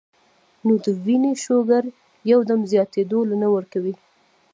نو د وينې شوګر يو دم زياتېدو له نۀ ورکوي -